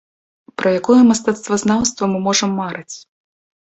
Пра якое мастацтвазнаўства мы можам марыць?